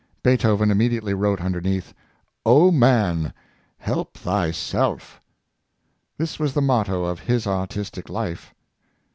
Beethoven immediately wrote un derneath, '' O man! help thyself! " This was the mot to of his artistic life.